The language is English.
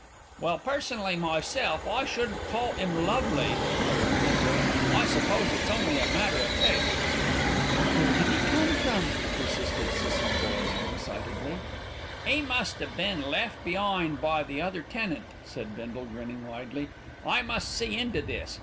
"Well, personally myself, I shouldn't call 'im lovely," muttered Bindle. "I s'pose it's only a matter o' taste." "But where did he come from?" persisted Cissie Boye excitedly. "'E must 'ave been left be'ind by the other tenant," said Bindle, grinning widely. "I must see into this.